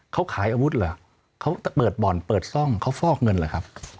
เขาขายอาวุธเหรอเขาเปิดบ่อนเปิดซ่องเขาฟอกเงินเหรอครับ